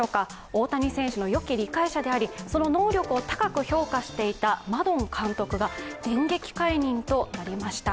大谷選手のよき理解者でありその能力を高く評価していたマドン監督が電撃解任となりました。